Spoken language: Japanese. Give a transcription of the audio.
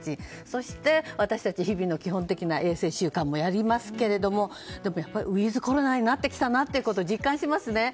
そして私たち、日々の基本的な衛生週間もありますけどでもウィズコロナになってきたと実感しますね。